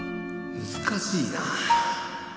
難しいな。